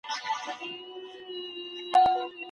که ئې مباشرت کړی وو، نو درې طلاقه واقع سوه.